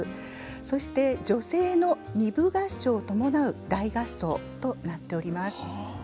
そして女声の二部合唱を伴う大合奏となっております。